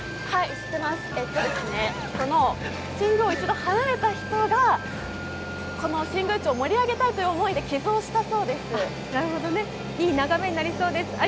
新宮を一度離れた人が新宮を盛り上げたいということで寄贈したそうです。